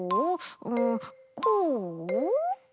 うんこう？